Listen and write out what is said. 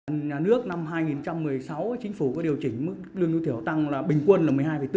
nhà nước năm hai nghìn một mươi sáu chính phủ có điều chỉnh mức lương lưu thiểu tăng bình quân là một mươi hai bốn